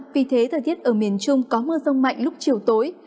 vì thế thời tiết ở miền trung có mưa rông mạnh lúc chiều tối